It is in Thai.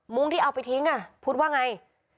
ที่เอาไปทิ้งพุทธว่าไง